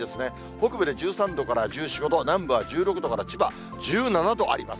北部で１３度から１４、５度、南部は１６度から、千葉１７度あります。